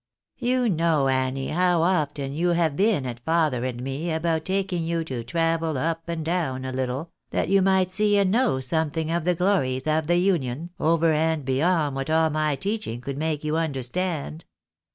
You know, Annie, how often you have been at father and me about taking you to travel up and down a Httle, that you might see and know something of the glories of the Union, over and beyond what all my teaching could make you understand.